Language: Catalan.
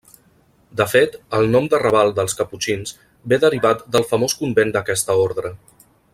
De fet el nom de raval dels Caputxins ve derivat del famós convent d'aquesta ordre.